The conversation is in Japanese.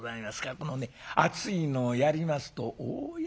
このね熱いのをやりますと大やけど。